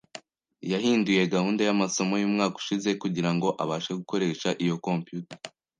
yahinduye gahunda yamasomo yumwaka ushize kugirango abashe gukoresha iyo computer